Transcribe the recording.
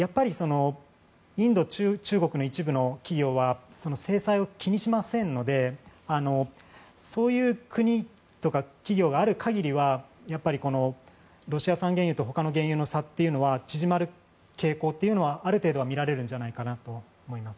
インド、中国の一部の企業は制裁を気にしませんのでそういう国とか企業がある限りはロシア産原油とほかの差というのは縮まる傾向というのはある程度は見られるんじゃないかなと思います。